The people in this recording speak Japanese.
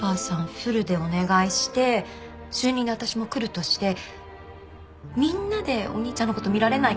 フルでお願いして週２で私も来るとしてみんなでお兄ちゃんの事見られないかな？